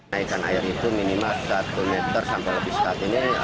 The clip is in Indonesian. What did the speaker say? naikan air itu minimal satu meter sampai lebih saat ini